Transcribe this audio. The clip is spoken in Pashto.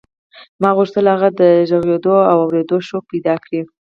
ما غوښتل هغه د غږېدو او اورېدو شوق پیدا کړي